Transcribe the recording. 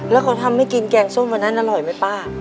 แล้วเขาทำให้กินแกงส้มวันนั้นอร่อยไหมป้า